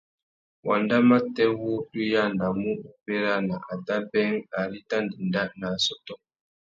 Wanda matê wu tu yānamú wu bérana a tà being ari i tà ndénda nà assôtô.